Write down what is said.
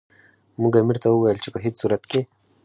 موږ امیر ته وویل چې په هیڅ صورت کې.